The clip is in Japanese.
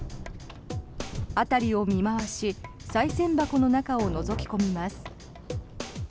辺りを見回しさい銭箱の中をのぞき込みます。